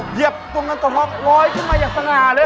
เหยียบตรงนั้นตอทองอยขึ้นมาอย่างฆ่าเลย